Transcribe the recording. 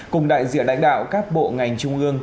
cùng đại diện lãnh đạo các bộ ngành trung ương